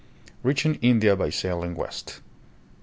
Reaching India by Sailing West.